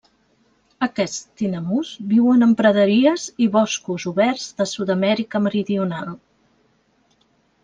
Aquests tinamús viuen en praderies i boscos oberts de Sud-amèrica meridional.